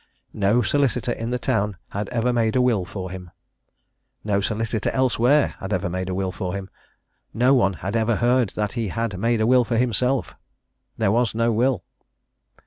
No solicitor in the town had ever made a will for him. No solicitor elsewhere had ever made a will for him. No one had ever heard that he had made a will for himself. There was no will.